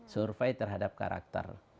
survive terhadap karakter